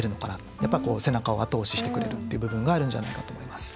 やっぱり背中を後押ししてくれるっていう部分があるんじゃないかと思います。